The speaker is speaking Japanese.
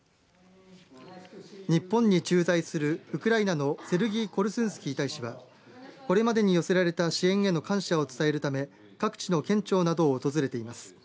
日本に駐在するウクライナのセルギー・コルスンスキー大使はこれまでに寄せられた支援への感謝を伝えるため各地の県庁などを訪れています。